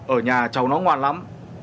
ở nhà cháu nó ngoan lắm